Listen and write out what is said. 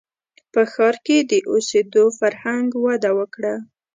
• په ښار کې د اوسېدو فرهنګ وده وکړه.